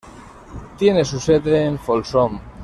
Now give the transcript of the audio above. Tiene su sede en Folsom.